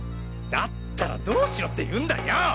だったらどうしろって言うんだよ！？